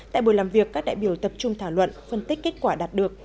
tại buổi làm việc các đại biểu tập trung thảo luận phân tích kết quả đạt được